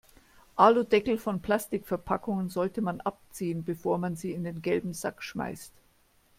Aludeckel von Plastikverpackungen sollte man abziehen, bevor man sie in den gelben Sack schmeißt.